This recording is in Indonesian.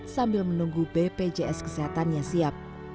sambil menunggu bpjs kesehatannya siap